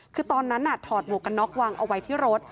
คือตอนนั้นถอดหมวกกันน็อกวางเอาไว้ที่รถ